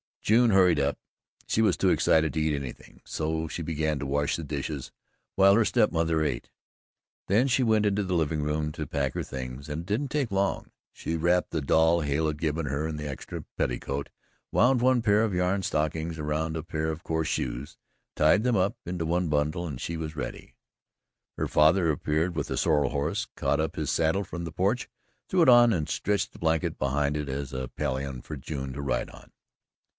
June hurried up. She was too excited to eat anything, so she began to wash the dishes while her step mother ate. Then she went into the living room to pack her things and it didn't take long. She wrapped the doll Hale had given her in an extra petticoat, wound one pair of yarn stockings around a pair of coarse shoes, tied them up into one bundle and she was ready. Her father appeared with the sorrel horse, caught up his saddle from the porch, threw it on and stretched the blanket behind it as a pillion for June to ride on.